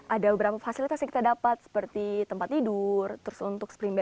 ada beberapa fasilitas yang kita dapat seperti tempat tidur spring bed bantal